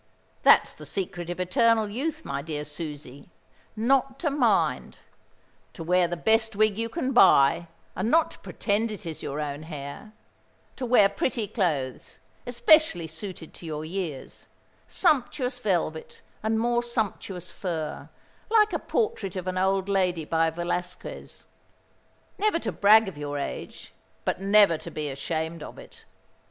That's the secret of eternal youth, my dear Susie not to mind: to wear the best wig you can buy, and not to pretend it is your own hair: to wear pretty clothes, especially suited to your years, sumptuous velvet and more sumptuous fur, like a portrait of an old lady by Velasquez: never to brag of your age, but never to be ashamed of it.